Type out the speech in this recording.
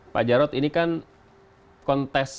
pak jarod ini kan kontes